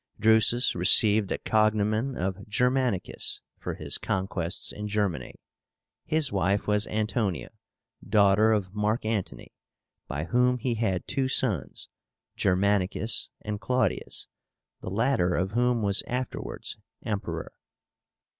Drusus received the cognomen of Germanicus for his conquests in Germany. His wife was Antonia, daughter of Mark Antony, by whom he had two sons, Germanicus and Claudius, the latter of whom was afterwards Emperor.